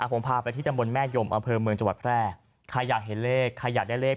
ผมพาไปที่ตำบลแม่ยมอำเภอเมืองจังหวัดแพร่ใครอยากเห็นเลขใครอยากได้เลข